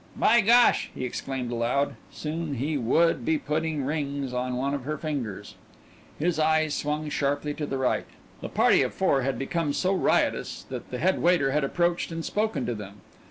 "By gosh!" he exclaimed aloud. Soon he would be putting rings on one of her fingers. His eyes swung sharply to the right. The party of four had become so riotous that the head waiter had approached and spoken to them.